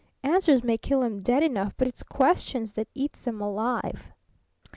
Answers may kill 'em dead enough, but it's questions that eats 'em alive."